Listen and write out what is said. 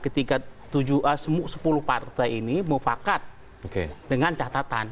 ketika sepuluh partai ini mufakat dengan catatan